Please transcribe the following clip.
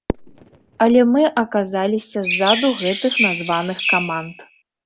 Але мы аказаліся ззаду гэтых названых каманд.